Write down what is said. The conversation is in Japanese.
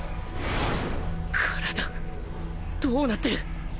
体どうなってる！？